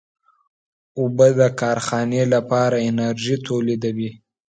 اوبه د کارخانې لپاره انرژي تولیدوي.